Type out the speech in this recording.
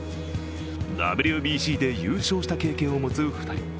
ＷＢＣで優勝した経験を持つ２人。